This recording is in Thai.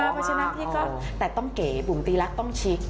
พี่บุ๋มตีลักษณ์ต้องชิค